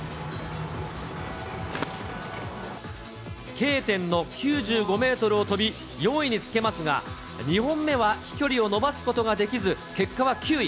Ｋ点の９５メートルを飛び、４位につけますが、２本目は飛距離を伸ばすことができず、結果は９位。